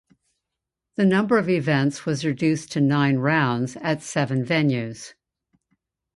The number of events was reduced to nine rounds at seven venues.